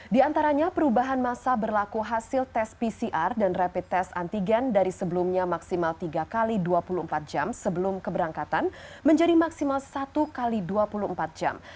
di antaranya perubahan masa berlaku hasil tes pcr dan rapid test antigen dari sebelumnya maksimal tiga x dua puluh empat jam sebelum keberangkatan menjadi maksimal satu x dua puluh empat jam